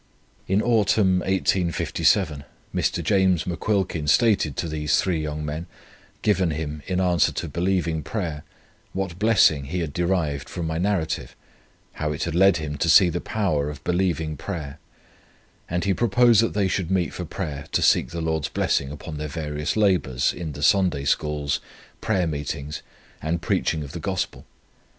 In Autumn, 1857, Mr. James McQuilkin stated to these three young men, given him in answer to believing prayer, what blessing he had derived from my Narrative, how it had led him to see the power of believing prayer; and he proposed that they should meet for prayer to seek the Lord's blessing upon their various labours in the Sunday Schools, prayer meetings, and preaching of the Gospel.